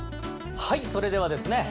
はいそれではですね